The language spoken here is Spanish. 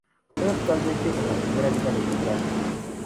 Juega actualmente en la Primera Liga de Austria.